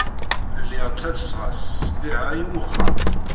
Lliɣ ttalseɣ-as ssbiɣa i wexxam.